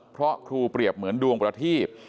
เพราะครูเปรียบเหมือนดวงประทีบ